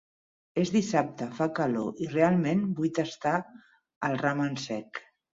És dissabte, fa calor i realment vull tastar el ramen sec.